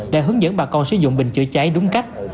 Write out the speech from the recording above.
để hướng dẫn bà con sử dụng bình chữa cháy đúng cách